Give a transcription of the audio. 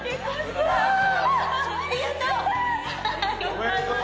ありがとう。